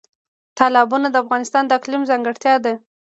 تالابونه د افغانستان د اقلیم ځانګړتیا ده.